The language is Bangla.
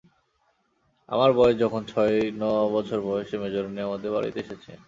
আমার বয়স যখন ছয় তখন ন বছর বয়সে মেজোরানী আমাদের এই বাড়িতে এসেছেন।